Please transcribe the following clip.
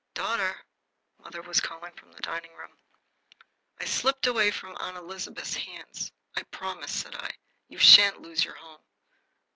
"Daughter!" mother was calling from the dining room. I slipped away from Aunt Elizabeth's hands. "I promise," said I. "You sha'n't lose your home."